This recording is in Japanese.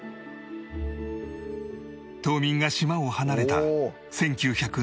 島民が島を離れた１９７４年のまま